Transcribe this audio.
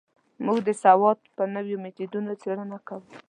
موږ د سودا په نویو مېتودونو څېړنه کوو.